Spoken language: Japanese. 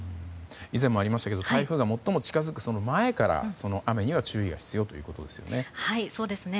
以前もありましたけど台風が最も近づく前から雨には注意が必要ということですね。